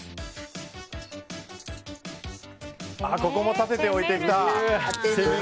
ここも立てて置いてきた。